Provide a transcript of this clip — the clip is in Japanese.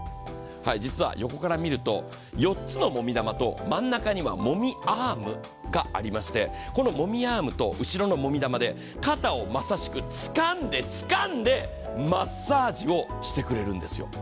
実は横から見ると、４つのもみ玉と真ん中にはもみアームがありまして、このもみアームと後ろのもみ玉で肩を、まさしくつかんでつかんでマッサージをしてくれるんです。